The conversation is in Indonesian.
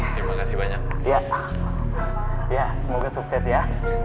terima kasih banyak ya pak ya